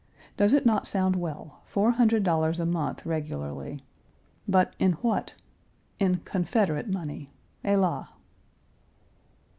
Does it not sound well four hundred dollars a month regularly. But in what? In Confederate money. Hélas!